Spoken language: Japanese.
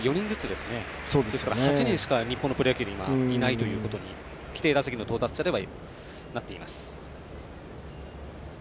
ですから８人しか日本のプロ野球にいないということに規定打席の到達者ではなっています。